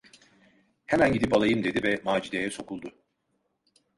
"Hemen gidip alayım!" dedi ve Macide’ye sokuldu.